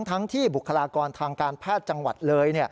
ทั้งที่บุคลากรทางการแพทย์จังหวัดเลย